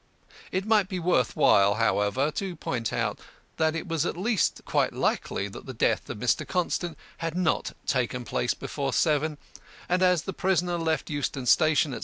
It might be worth while, however, to point out that it was at least quite likely that the death of Mr. Constant had not taken place before seven, and as the prisoner left Euston Station at 7.